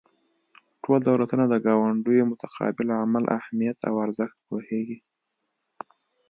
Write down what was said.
ټول دولتونه د ګاونډیو متقابل عمل اهمیت او ارزښت پوهیږي